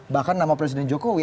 bahkan nama presiden jokowi